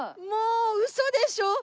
もうウソでしょ。